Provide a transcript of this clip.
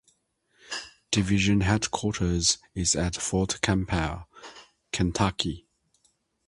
Division headquarters is at Fort Campbell, Kentucky.